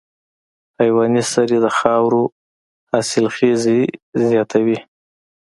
حیواني سرې د خاورې حاصلخېزي زیاتوي.